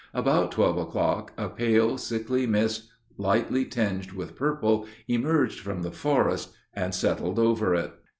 About twelve o'clock, a pale, sickly mist, lightly tinged with purple, emerged from the forest and settled over it.